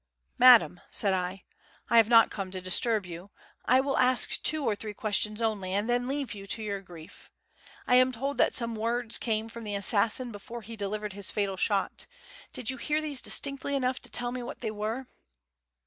"Madam," said I, "I have not come to disturb you. I will ask two or three questions only, and then leave you to your grief. I am told that some words came from the assassin before he delivered his fatal shot. Did you hear these distinctly enough to tell me what they were?"